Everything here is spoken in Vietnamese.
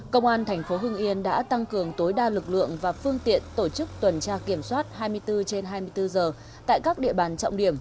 công an thành phố hưng yên đã tăng cường tối đa lực lượng và phương tiện tổ chức tuần tra kiểm soát hai mươi bốn trên hai mươi bốn giờ tại các địa bàn trọng điểm